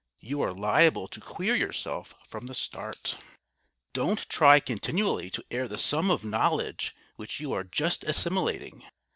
You are liable to queer yourself from the start. [Sidenote: TABLE TALK] Don't try continually to air the sum of knowledge which you are just assimilating.